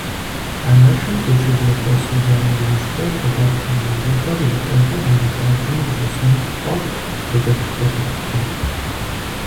Анэшым дыщызэхуэсыжа нэужькӏэ, хъыбар шынагъуэхэр жытӏэжу ӏэнэ лъабжьэм дыщӏэсыныр тфӏэфӏт зэдэлъхузэшыпхъухэм.